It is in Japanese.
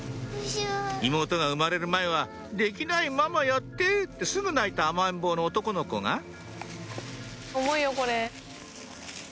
妹が生まれる前は「できないママやって！」ってすぐ泣いた甘えん坊の男の子が重いよこれ。